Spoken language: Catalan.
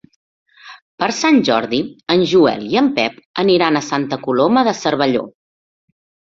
Per Sant Jordi en Joel i en Pep aniran a Santa Coloma de Cervelló.